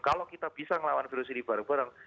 kalau kita bisa melawan virus ini bareng bareng